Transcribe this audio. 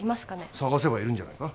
探せばいるんじゃないか？